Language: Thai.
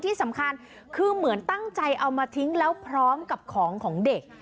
ที่สำคัญคือเหมือนตั้งใจเอามาทิ้งแล้วพร้อมกับของของเด็ก